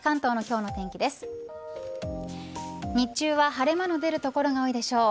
日中は晴れ間の出る所が多いでしょう。